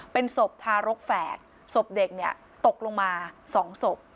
เป็นศพทารกแฝดศพเด็กเนี่ยตกลงมา๒ศพ